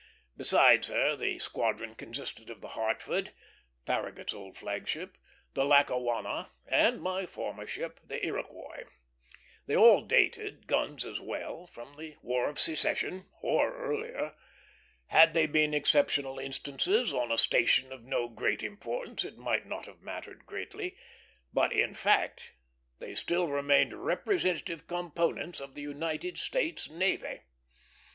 Besides her, the squadron consisted of the Hartford, Farragut's old flag ship, the Lackawanna, and my former ship, the Iroquois. They all dated, guns as well, from the War of Secession, or earlier. Had they been exceptional instances, on a station of no great importance, it might not have mattered greatly; but in fact they still remained representative components of the United States navy.